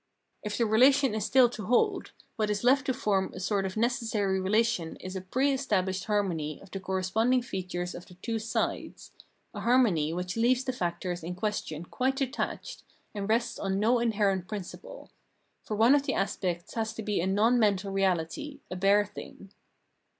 If the relation is still to hold, what is left to form a sort of necessary relation is a pre estabhshed harmony of the corresponding features of ,the two sides, a harmony which leaves the factors in question quite detached and rests on no inherent principle ; for one of the aspects has to be a non mental reahty, a bare thing.